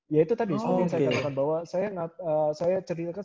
ya itu tadi saya ceritakan